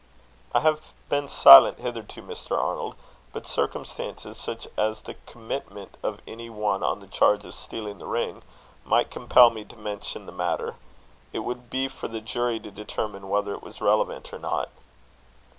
"I have been silent hitherto, Mr. Arnold; but circumstances, such as the commitment of any one on the charge of stealing the ring, might compel me to mention the matter. It would be for the jury to determine whether it was relevant or not."